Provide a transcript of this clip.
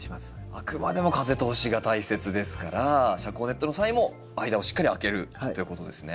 あくまでも風通しが大切ですから遮光ネットの際も間をしっかり空けるということですね。